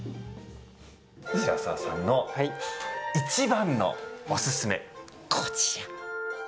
白澤さんのいちばんのおすすめ、こちら。